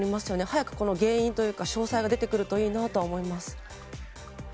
早く原因というか詳細が出てくればいいなと思います。